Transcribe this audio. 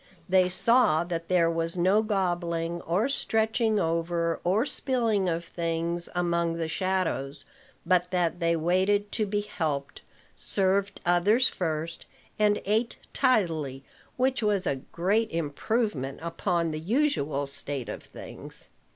They saw that there was no gobbling, or stretching over, or spilling of things, among the shadows; but that they waited to be helped, served others first, and ate tidily, which was a great improvement upon the usual state of things.